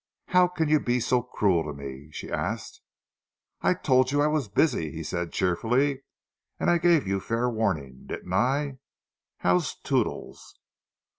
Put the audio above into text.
"How can you be so cruel to me?" she asked. "I told you I was busy," said he, cheerfully. "And I gave you fair warning, didn't I? How's Toodles?"